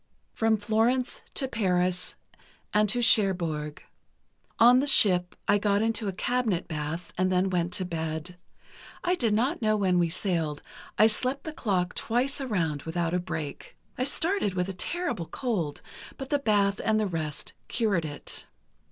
"From Florence to Paris, and to Cherbourg. On the ship, I got into a cabinet bath, and then went to bed. I did not know when we sailed, and I slept the clock twice around without a break. I started with a terrible cold, but the bath and the rest cured it.